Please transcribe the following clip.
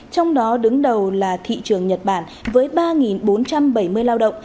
trong đó đứng đầu là thị trường nhật bản với ba bốn trăm bảy mươi lao động